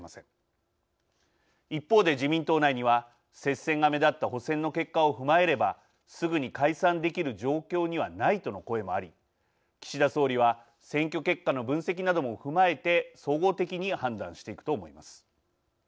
一方で自民党内には接戦が目立った補選の結果を踏まえればすぐに解散できる状況にはないとの声もあり岸田総理は選挙結果の分析なども踏まえて総合的に判断していくと思います。